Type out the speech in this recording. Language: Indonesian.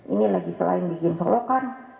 ini lagi selain bikin solokan